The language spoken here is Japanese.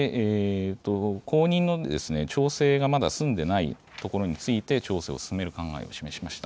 後任の調整がまだ進んでいないところについて調整を進める考えを示しました。